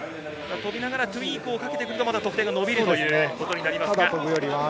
飛びながらトゥイークをかけてくると得点が伸びることになります。